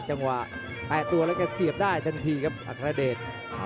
จังหวะแปะตัวแล้วก็เสียบได้ทันทีครับอัครเดช